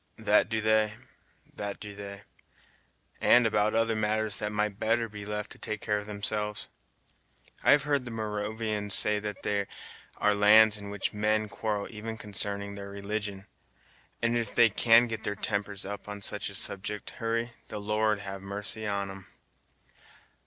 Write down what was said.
"That do they, that do they; and about other matters that might better be left to take care of themselves. I have heard the Moravians say that there are lands in which men quarrel even consarning their religion; and if they can get their tempers up on such a subject, Hurry, the Lord have Marcy on 'em.